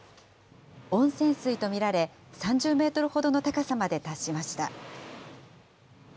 温泉水とみられ、３０メートルほどの高さまで達しました。